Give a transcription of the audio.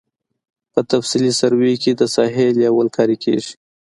په تفصیلي سروې کې د ساحې لیول کاري کیږي